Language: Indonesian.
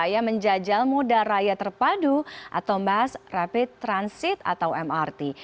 yang menjajal muda raya terpadu atau mass rapid transit atau mrt